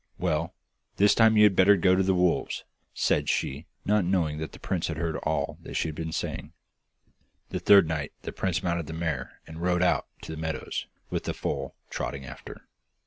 'Well, this time you had better go to the wolves,' said she, not knowing that the prince had heard all she had been saying. The third night the prince mounted the mare and rode her out to the meadows, with the foal trotting after.